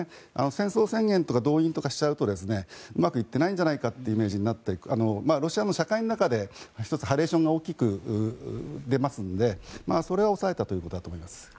戦争宣言とか動員とかしちゃうとうまくいってないんじゃないかというイメージになってロシアの社会の中で１つ、ハレーションが大きく出ますのでそれを抑えたということだと思います。